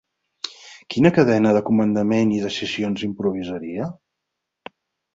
Quina cadena de comandament i decisions improvisaria?